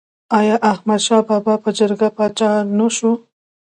آیا احمد شاه بابا په جرګه پاچا نه شو؟